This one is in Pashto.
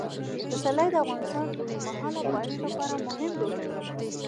پسرلی د افغانستان د اوږدمهاله پایښت لپاره مهم رول لري.